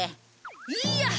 いいや！